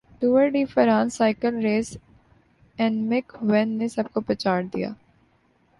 Tour de France cycle race اینمک وین نے سب کو پچھاڑدیا